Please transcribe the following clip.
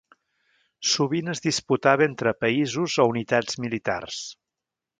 Sovint es disputava entre països o unitats militars.